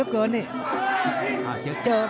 ครับ